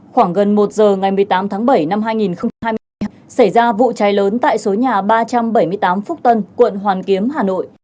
khoảng gần một giờ ngày một mươi tám tháng bảy năm hai nghìn hai mươi xảy ra vụ cháy lớn tại số nhà ba trăm bảy mươi tám phúc tân quận hoàn kiếm hà nội